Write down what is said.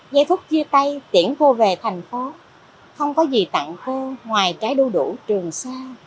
giây thúc chia tay tiễn cô về thành phố không có gì tặng cô ngoài trái đu đủ trường xa